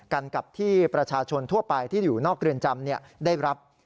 กันกับที่ประชาชนทั่วไปที่อยู่นอกเรือนจำได้รับ